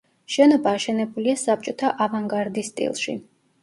შენობა აშენებულია საბჭოთა ავანგარდის სტილში.